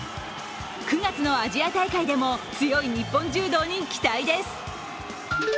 ９月のアジア大会でも強い日本柔道に期待です。